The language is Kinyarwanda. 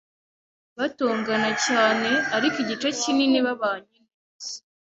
Batongana cyane, ariko igice kinini babanye neza.